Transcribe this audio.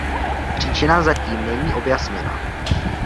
Příčina zatím není objasněna.